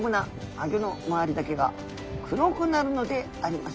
あギョの周りだけが黒くなるのであります」。